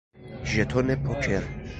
ژتون پوکر